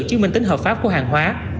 chứng minh tính hợp pháp của hàng hóa